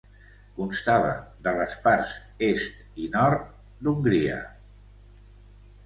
Constava de les parts est i nord d'Hongria.